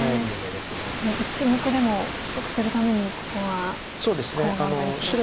もう１目でも得するためにここはコウ頑張りきろうと。